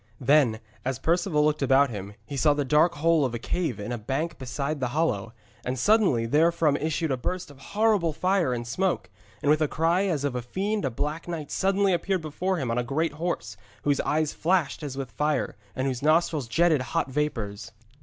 Then, as Perceval looked about him, he saw the dark hole of a cave in a bank beside the hollow, and suddenly therefrom issued a burst of horrible fire and smoke, and with a cry as of a fiend a black knight suddenly appeared before him on a great horse, whose eyes flashed as with fire and whose nostrils jetted hot vapours.